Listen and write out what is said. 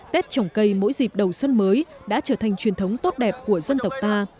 tết trồng cây mỗi dịp đầu xuân mới đã trở thành truyền thống tốt đẹp của dân tộc ta